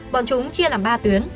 bọn chúng chia làm ba tuyến